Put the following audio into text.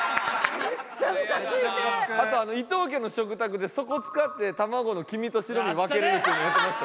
あと『伊東家の食卓』でそこ使って卵の黄身と白身分けれるっていうのやってました。